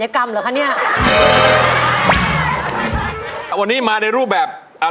คุณซิมแม่